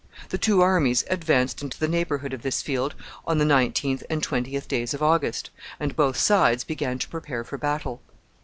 The two armies advanced into the neighborhood of this field on the 19th and 20th days of August, and both sides began to prepare for battle.